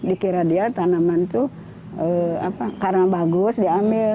dikira dia tanaman itu karena bagus diambil